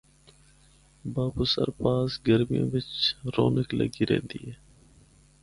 ’بابو سر‘ پاس گرمیاں بچ رونق لگی رہندی اے۔